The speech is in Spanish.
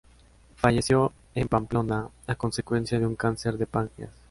Falleció en Pamplona, a consecuencia de un cáncer de páncreas.